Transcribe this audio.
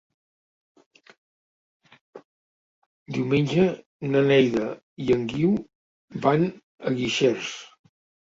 Diumenge na Neida i en Guiu van a Guixers.